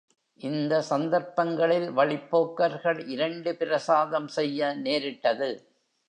இந்த சந்தர்ப்பங்களில் வழிப்போக்கர்கள் இரண்டு பிரசாதம் செய்ய நேரிட்டது.